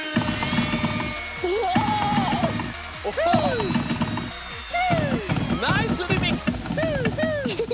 おっナイスリミックス！